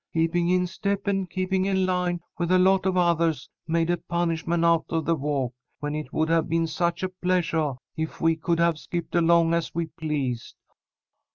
Keeping in step and keeping in line with a lot of othahs made a punishment out of the walk, when it would have been such a pleasuah if we could have skipped along as we pleased.